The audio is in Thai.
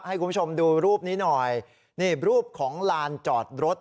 ให้คุณผู้ชมดูรูปนี้หน่อยนี่รูปของลานจอดรถ